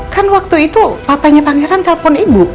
kan waktu itu papanya pangeran telpon ibu